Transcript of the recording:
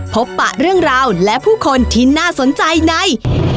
ปะเรื่องราวและผู้คนที่น่าสนใจใน